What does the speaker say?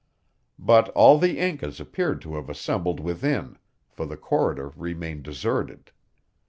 But all the Incas appeared to have assembled within, for the corridor remained deserted.